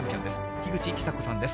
樋口久子さんです。